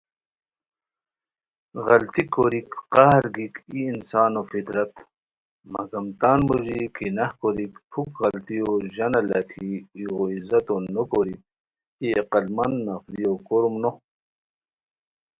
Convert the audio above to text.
غلطی کوریک، قہر گیک ای انسانی فطرت, مگم تان موژی کیناہ کوریک، پھوک غلطیو ژانہ لکھی ایغو عزتو نوکوریک، ای عقلمند نفریو کوروم نو